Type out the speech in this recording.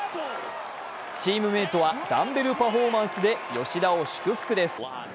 チームメートはダンベルパフォーマンスで吉田を祝福です。